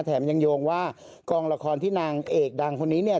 แถมยังโยงว่ากองละครที่นางเอกดังคนนี้เนี่ย